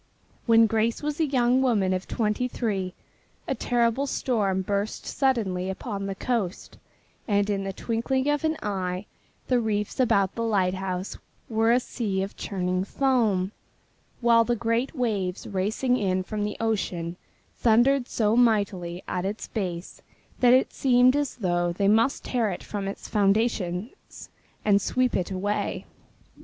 When Grace was a young woman of twenty three a terrible storm burst suddenly upon the coast and in the twinkling of an eye the reefs about the lighthouse were a sea of churning foam, while the great waves racing in from the ocean thundered so mightily at its base that it seemed as though they must tear it from its foundations and sweep it away.